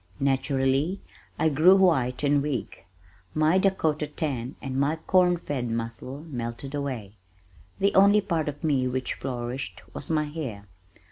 Naturally I grew white and weak. My Dakota tan and my corn fed muscle melted away. The only part of me which flourished was my hair.